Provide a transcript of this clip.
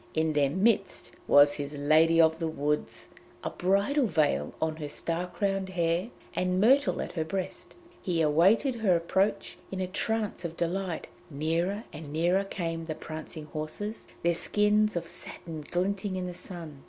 In their midst was his Lady of the Woods, a bridal veil on her star crowned hair, and myrtle at her breast. He awaited her approach in a trance of delight; nearer and nearer came the prancing horses, their skins of satin glinting in the sun.